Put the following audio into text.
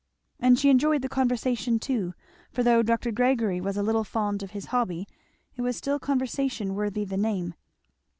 And she enjoyed the conversation too; for though Dr. Gregory was a little fond of his hobby it was still conversation worthy the name.